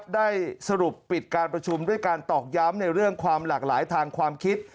ได้สรุปปิดการประชุมด้วยการตอกย้ำในเรื่องความหลากหลายทางความคิด